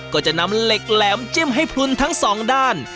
ก็จะนำเหล็กแหลมจิ้มให้พลุนทั้งสองด้าน